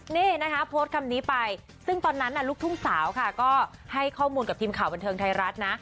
นี่นะคะโพสต์คำนี้ไปซึ่งตอนนั้นลูกทุ่งสาวค่ะก็ให้ข้อมูลกับทีมข่าวบันเทิงไทยรัฐนะ